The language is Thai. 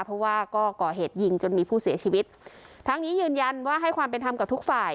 เพราะว่าก็ก่อเหตุยิงจนมีผู้เสียชีวิตทั้งนี้ยืนยันว่าให้ความเป็นธรรมกับทุกฝ่าย